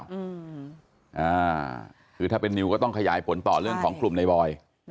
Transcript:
อืมอ่าคือถ้าเป็นนิวก็ต้องขยายผลต่อเรื่องของกลุ่มในบอย